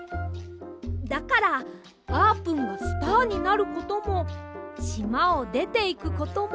だからあーぷんがスターになることもしまをでていくこともありません！